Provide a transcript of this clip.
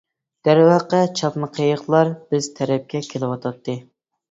دەرۋەقە چاپما قېيىقلار بىز تەرەپكە كېلىۋاتاتتى.